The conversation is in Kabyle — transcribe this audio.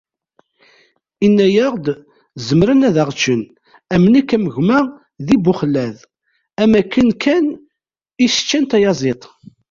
Inna-aɣ-d zemren ad aɣ-ččen am nekk am gma di Buxellad, am akken kan i as-ččan tayaziḍt.